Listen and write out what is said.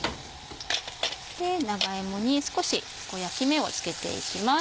長芋に少し焼き目をつけていきます